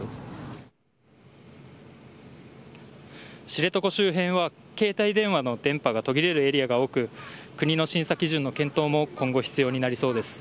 知床周辺は携帯電話の電波が途切れるエリアが多く国の審査基準の検討も今後、必要になりそうです。